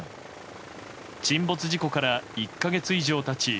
沈没事故から１か月以上経ち